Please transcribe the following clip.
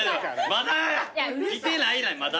まだや！来てないねんまだ！